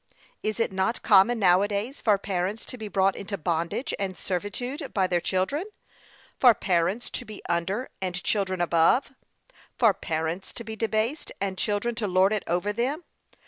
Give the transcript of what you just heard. Is it not common now a days, for parents to be brought into bondage and servitude by their children? For parents to be under, and children above; for parents to be debased, and children to lord it over them.